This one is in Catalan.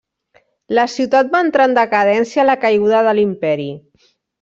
La ciutat va entrar en decadència a la caiguda de l'Imperi.